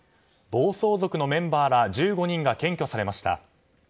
暴走族のメンバーら１５人が検挙されました。